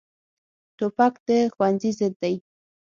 توپک د ښوونځي ضد دی.